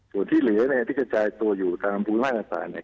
ส่วนที่เหลือที่กระจายตัวอยู่ตามภูมิภาคศาสตร์